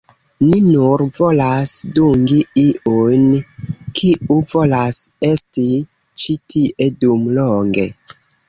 "Ni nur volas dungi iun, kiu volas esti ĉi tie dum longe.